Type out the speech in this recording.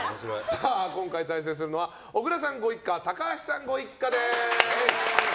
今回対戦するのは小倉さんご一家高橋さんご一家です。